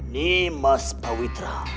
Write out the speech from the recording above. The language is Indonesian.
nimas pak witra